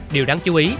điều đáng chú ý